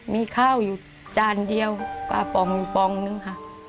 มีข้าวอยู่จานเดียวปลาปองปองนึงค่ะ